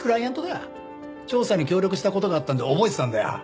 調査に協力した事があったので覚えてたんだよ。